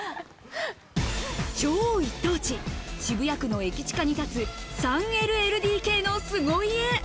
超一等地、渋谷区の駅近に立つ３ＬＬＤＫの凄家。